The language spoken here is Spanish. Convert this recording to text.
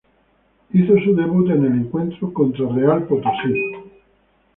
El hizo su debut en el encuentro contra Real Potosí.